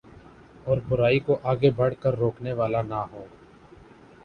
اور برائی کوآگے بڑھ کر روکنے والا نہ ہو